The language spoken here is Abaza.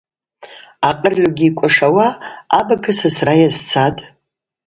Акъырльугьи йкӏвашауа абага сасра йазцатӏ.